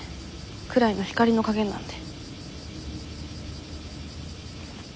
暗いの光の加減なんで。